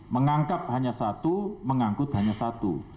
mengangkat hanya satu mengangkut hanya satu